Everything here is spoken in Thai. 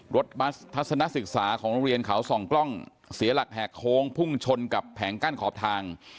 รถบัสทัศนศึกษาของโรงเรียนเขาส่องกล้องเสียหลักแหกโค้งพุ่งชนกับแผงกั้นขอบทาง